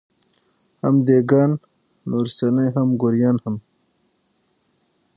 هم دېګان، نورستاني او ګوریان هم